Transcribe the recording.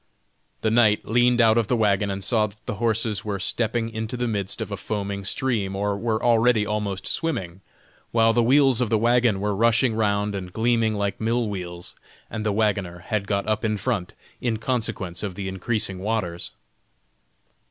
The knight leaned out of the wagon and saw that the horses were stepping into the midst of a foaming stream or were already almost swimming, while the wheels of the wagon were rushing round and gleaming like mill wheels, and the wagoner had got up in front, in consequence of the increasing waters.